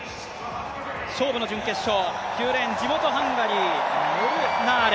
勝負の準決勝、９レーン、地元ハンガリー、モルナール。